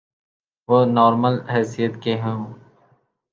وہ نارمل حیثیت کے ہوں۔